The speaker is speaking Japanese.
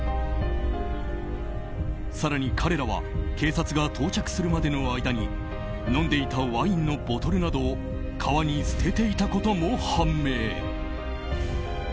更に彼らは警察が到着するまでの間に飲んでいたワインのボトルなどを川に捨てていたことも判明。